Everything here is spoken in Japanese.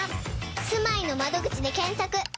「住まいの窓口」で検索。